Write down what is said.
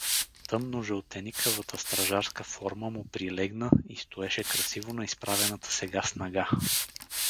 Тъмножълтеникавата стражарска форма му прилегна и стоеше красиво на изправената сега снага.